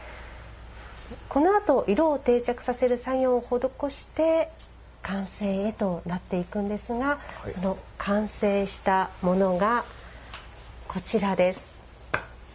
このあと色を定着させる作業を施して完成へとなっていくんですがその完成したものが、こちらです。